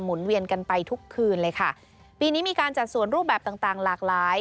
เวียนกันไปทุกคืนเลยค่ะปีนี้มีการจัดส่วนรูปแบบต่างต่างหลากหลาย